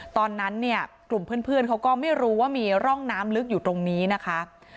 ตอนนั้นเนี่ยกลุ่มเพื่อนเขาก็ไม่รู้ว่ามีร่องน้ำลึกอยู่ตรงนี้นะคะ